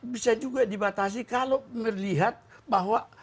bisa juga dibatasi kalau melihat bahwa